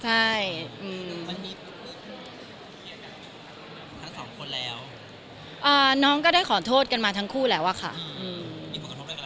ใช่มันมีทั้งสองคนแล้วน้องก็ได้ขอโทษกันมาทั้งคู่แล้วอะค่ะ